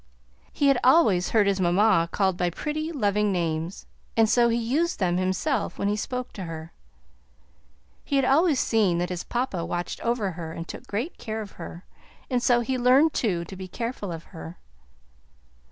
He had always heard his mamma called by pretty, loving names, and so he used them himself when he spoke to her; he had always seen that his papa watched over her and took great care of her, and so he learned, too, to be careful of her.